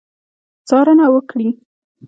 څارنه وکړي.